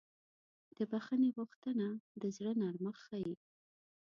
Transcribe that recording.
د بښنې غوښتنه د زړه نرمښت ښیي.